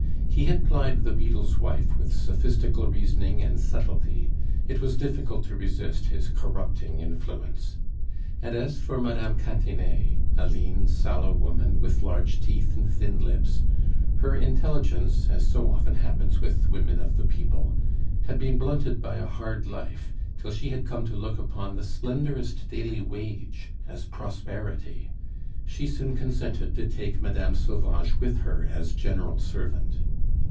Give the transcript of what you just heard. He had plied the beadle's wife with sophistical reasoning and subtlety. It was difficult to resist his corrupting influence. And as for Mme. Cantinet a lean, sallow woman, with large teeth and thin lips her intelligence, as so often happens with women of the people, had been blunted by a hard life, till she had come to look upon the slenderest daily wage as prosperity. She soon consented to take Mme. Sauvage with her as general servant.